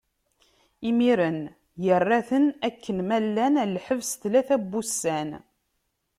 Imiren, irra-ten akken ma llan ɣer lḥebs, tlata n wussan.